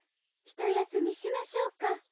・ひとやすみしましょうか。